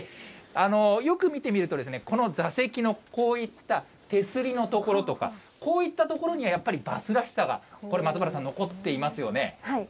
よく見てみると、この座席のこういった手すりの所とか、こういった所にはやっぱりバスらしさが、これ、松原さん、残っていますよね。